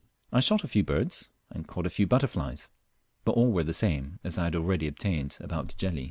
I shot a few birds, and caught a few butterflies, but all were the same as I had already obtained about Cajeli.